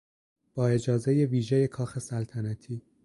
با اجازهی ویژهی کاخ سلطنتی